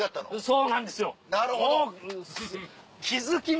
そうなんですよ！